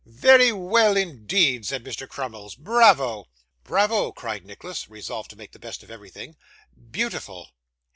'Very well indeed,' said Mr. Crummles; 'bravo!' 'Bravo!' cried Nicholas, resolved to make the best of everything. 'Beautiful!